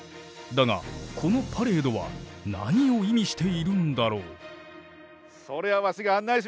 だがこのパレードは何を意味しているんだろう？